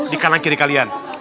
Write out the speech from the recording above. di kanan kiri kalian